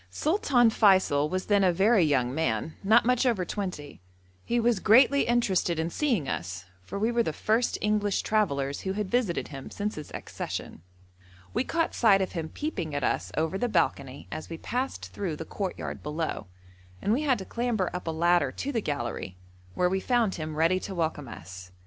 Sultan Feysul was then a very young man, not much over twenty. He was greatly interested in seeing us, for we were the first English travellers who had visited him since his accession. We caught sight of him peeping at us over the balcony as we passed through the courtyard below, and we had to clamber up a ladder to the gallery, where we found him ready to welcome us.